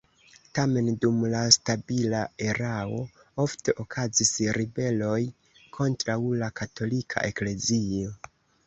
Tamen dum la stabila erao ofte okazis ribeloj kontraŭ la katolika eklezio.